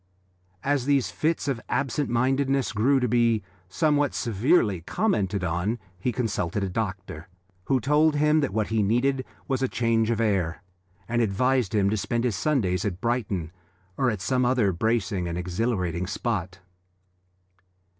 As these fits of absent mindedness grew to be somewhat severely commented on, he consulted a doctor, who told him that what he needed was change of air, and advised him to spend his Sundays at Brighton or at some other bracing and exhilarating spot.